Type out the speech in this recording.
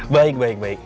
baik baik baik